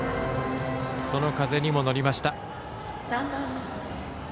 その風にも乗りました。